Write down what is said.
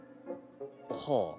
はあ。